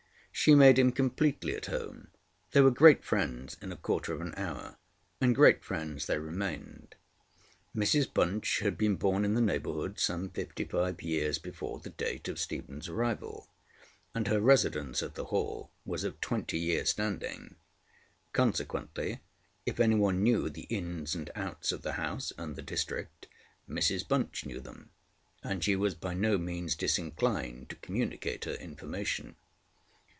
She made him completely at home; they were great friends in a quarter of an hour: and great friends they remained. Mrs Bunch had been born in the neighbourhood some fifty five years before the date of StephenŌĆÖs arrival, and her residence at the Hall was of twenty yearsŌĆÖ standing. Consequently, if anyone knew the ins and outs of the house and the district, Mrs Bunch knew them; and she was by no means disinclined to communicate her information.